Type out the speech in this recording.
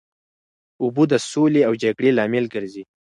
اوبه د سولې او جګړې لامل ګرځي.